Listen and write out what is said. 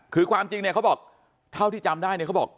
คือความจริงเนี่ยเขาบอกเท่าที่จำได้เนี่ยเขาบอก